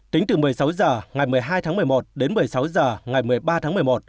tính từ một mươi sáu h ngày một mươi hai tháng một mươi một đến một mươi sáu h ngày một mươi ba tháng một mươi một